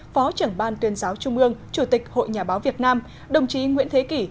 phó trưởng ban tuyên giáo trung ương chủ tịch hội nhà báo việt nam đồng chí nguyễn thế kỷ